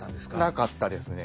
なかったですね。